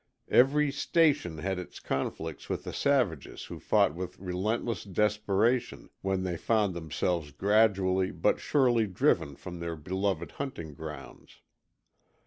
Every "station" had its conflicts with the savages who fought with relentless desperation when they found themselves gradually but surely driven from their beloved hunting grounds.